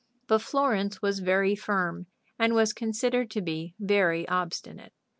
But Florence was very firm, and was considered to be very obstinate.